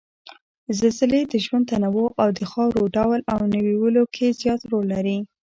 زلزلې د ژوند تنوع او د خاورو ډول او نويولو کې زیات رول لري